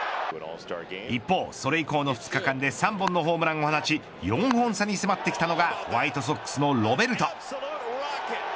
一方、それ以降の２日間で３本のホームランを放ち４本差に迫ってきたのがホワイトソックスのロベルト。